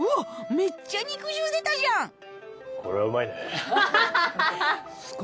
めっちゃ肉汁出たじゃんハハハ。